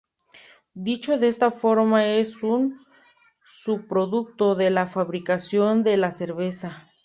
Dicho de esta forma es un subproducto de la fabricación de la cerveza.